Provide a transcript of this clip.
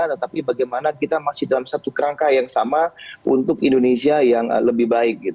tetapi bagaimana kita masih dalam satu kerangka yang sama untuk indonesia yang lebih baik